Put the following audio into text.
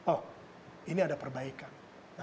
oh ini ada perbaikan